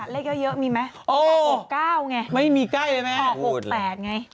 เลขเยอะเยอะมีไหมโอ้หกเก้าไงไม่มีใกล้เลยแม่หกหกแปดไง